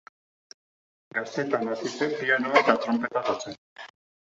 Gaztetan hasi zen pianoa eta tronpeta jotzen.